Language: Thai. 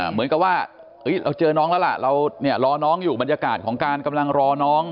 เหมือนกับว่าเราเจอน้องแล้วล่ะเราเนี่ยรอน้องอยู่บรรยากาศของการกำลังรอน้อง